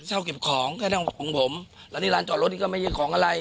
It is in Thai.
เจ้าเก็บของแค่นั้นของผมและร้านจอดรถนี่ก็ไม่มีของอะไร